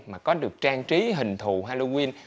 mà có được trang trí hình thù halloween